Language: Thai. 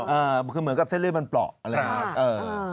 อ๋ออออคือเหมือนกับเส้นเลือดมันเปราะอะไรแหละค่ะอ่า